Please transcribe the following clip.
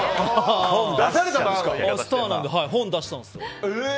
スターなんで本出したんですよ。